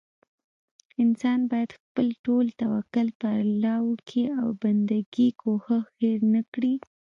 انسان بايد خپل ټول توکل پر الله وکي او بندګي کوښښ هير نه کړي